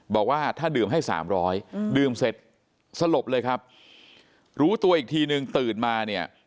บอกว่าถ้าดื่มให้สามร้อยดื่มเสร็จสลบเลยครับรู้ตัวอีกทีนึงตื่นมาเนี่ย